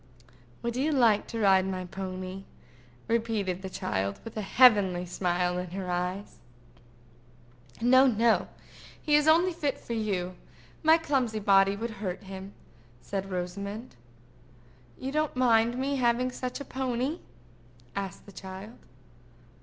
"Would you like to ride my pony?" repeated the child, with a heavenly smile in her eyes. "No, no; he is fit only for you. My clumsy body would hurt him," said Rosamond. "You don't mind me having such a pony?" said the child.